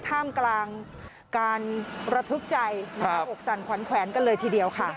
ท่ามกลางการระทึกใจอกสั่นขวัญแขวนกันเลยทีเดียวค่ะ